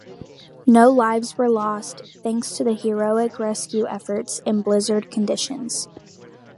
No lives were lost, thanks to heroic rescue efforts, in blizzard conditions.